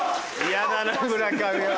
嫌だな村上は。